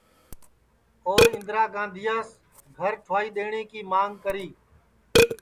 اور اِندرا گاندھیاس گھر ٹھُوائی دؔیٹؔیں کی مانگ کری